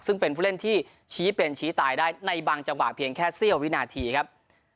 ซึ่งเป็นผู้เล่นที่ชี้เป็นชี้ตายได้ในบางจังหวะเพียงแค่เสี้ยววินาทีครับ